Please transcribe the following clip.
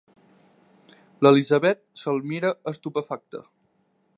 L'Elisabet se'l mira estupefacta.